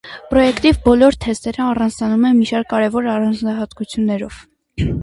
Պրոյեկտիվ բոլոր թեստերը առանձնանում են մի շարք կարևոր առանձնահատկություններով։